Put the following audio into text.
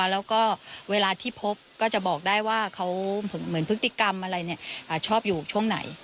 แล้วก็เวลาที่พบก็จะบอกได้ว่าเขาเหมือนพฤติกรรมอะไรชอบอยู่ช่วงไหน